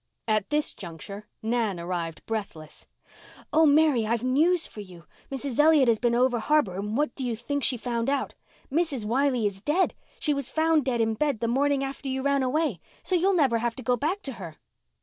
At this juncture Nan arrived breathless. "Oh, Mary, I've news for you. Mrs. Elliott has been over harbour and what do you think she found out? Mrs. Wiley is dead—she was found dead in bed the morning after you ran away. So you'll never have to go back to her."